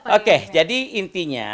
oke jadi intinya